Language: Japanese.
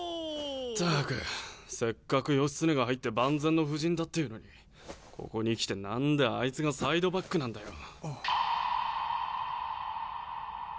ったくせっかく義経が入って万全の布陣だっていうのにここに来て何であいつがサイドバックなんだよ。